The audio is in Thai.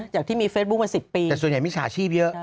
จากที่มีเฟซบุ๊คมา๑๐ปีแต่ส่วนใหญ่มิจฉาชีพเยอะ